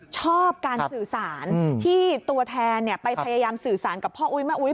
ชอบการสื่อสารที่ตัวแทนไปพยายามสื่อสารกับพ่ออุ๊ยแม่อุ๊ย